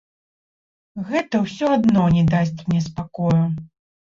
Гэта ўсё адно не дасць мне спакою.